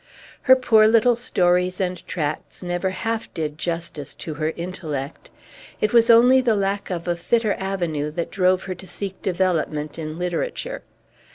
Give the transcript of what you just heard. Her poor little stories and tracts never half did justice to her intellect. It was only the lack of a fitter avenue that drove her to seek development in literature.